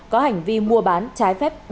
có hành vi mua bán trái phép